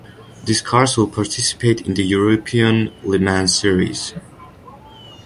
These cars will participate in the European Le Mans Series.